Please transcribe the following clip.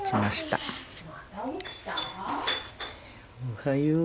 おはよう。